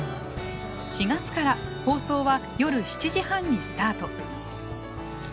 ４月から放送は夜７時半にスタート。